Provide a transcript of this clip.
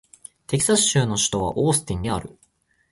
テキサス州の州都はオースティンである